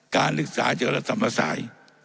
การศึกษาเจรสมศัย